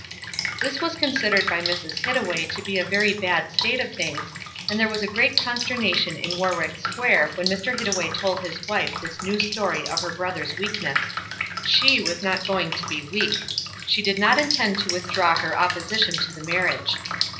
This was considered by Mrs. Hittaway to be a very bad state of things, and there was great consternation in Warwick Square when Mr. Hittaway told his wife this new story of her brother's weakness. She was not going to be weak. She did not intend to withdraw her opposition to the marriage.